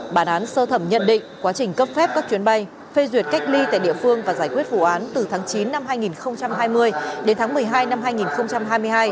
bản án sơ thẩm nhận định quá trình cấp phép các chuyến bay phê duyệt cách ly tại địa phương và giải quyết vụ án từ tháng chín năm hai nghìn hai mươi đến tháng một mươi hai năm hai nghìn hai mươi hai